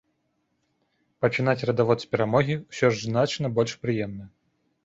Пачынаць радавод з перамогі ўсё ж значна больш прыемна.